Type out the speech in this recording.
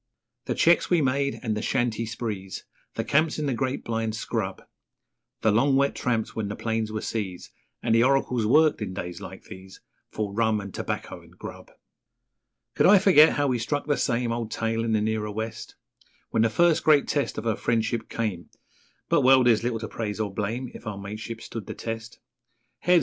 The cheques we made and the shanty sprees, The camps in the great blind scrub, The long wet tramps when the plains were seas, And the oracles worked in days like these For rum and tobacco and grub. Could I forget how we struck 'the same Old tale' in the nearer West, When the first great test of our friendship came But well, there's little to praise or blame If our mateship stood the test. 'Heads!'